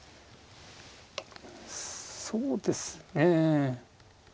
そうですね